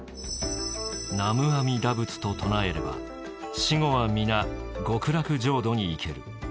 「南無阿弥陀仏と唱えれば死後は皆極楽浄土に行ける」。